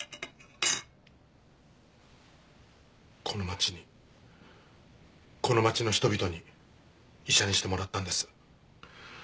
この町にこの町の人々に医者にしてもらったんです。